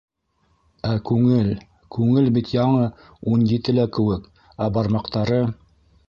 Ә күңел, күңел бит яңы ун етелә кеүек, ә бармаҡтары...